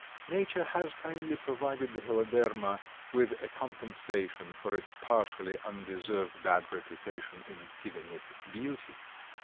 Nature has kindly provided the Heloderma with a compensation for its partially undeserved bad reputation in giving it beauty.